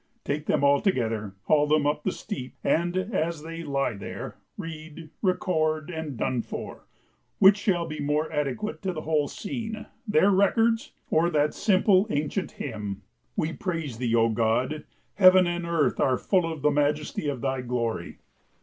Take them all together, haul them up the steep, and as they lie there, read, recorded, and done for, which shall be more adequate to the whole scene their records? or that simple, ancient hymn, "We praise Thee, O God! Heaven and earth are full of the majesty of Thy Glory!"